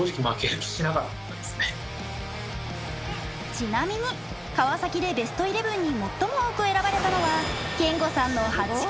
ちなみに川崎でベストイレブンに最も多く選ばれたのは憲剛さんの８回。